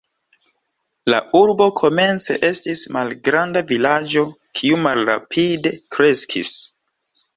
La urbo komence estis malgranda vilaĝo kiu malrapide kreskis.